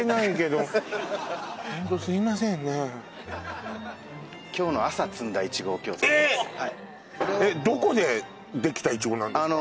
どこでできたイチゴなんですか？